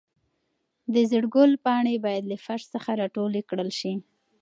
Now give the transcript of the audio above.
د زېړ ګل پاڼې باید له فرش څخه راټولې کړل شي.